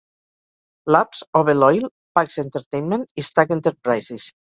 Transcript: Labs, Ovel Oil, Pax Entertainment i Stagg Enterprises.